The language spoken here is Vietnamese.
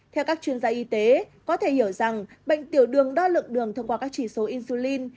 theo các chuyên gia y tế có thể hiểu rằng bệnh tiểu đường đo lượng đường thông qua các chỉ số insulin